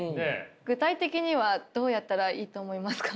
具体的にはどうやったらいいと思いますか？